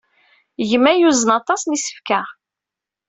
Gma yuzen aṭas n yisefka.